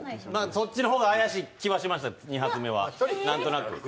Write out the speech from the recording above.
そっちの方が怪しい気はしました、２発目はなんとなく。